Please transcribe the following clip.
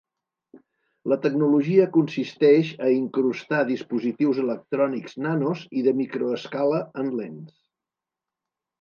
La tecnologia consisteix a incrustar dispositius electrònics nanos i de microescala en lents.